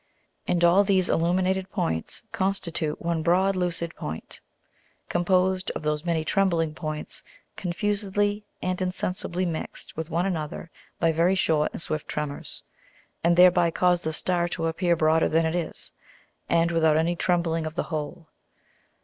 And all these illuminated Points constitute one broad lucid Point, composed of those many trembling Points confusedly and insensibly mixed with one another by very short and swift Tremors, and thereby cause the Star to appear broader than it is, and without any trembling of the whole.